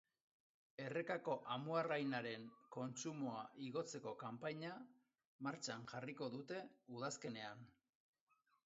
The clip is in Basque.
Errekako amuarrainaren kontsumoa igotzeko kanpaina martxan jarriko dute udazkenean.